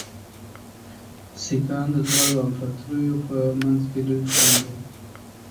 سیکهان د دواړو امپراطوریو په منځ کې لوی خنډ وو.